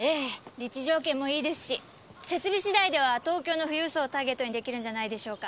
立地条件もいいですし設備次第では東京の富裕層をターゲットに出来るんじゃないでしょうか。